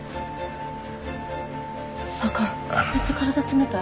あかんめっちゃ体冷たい。